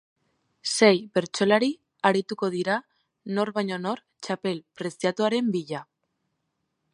Sei bertsolari arituko dira nor baino nor, txapel preziatuaren bila.